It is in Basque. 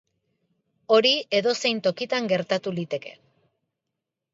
Hori edozein tokitan gertatu liteke.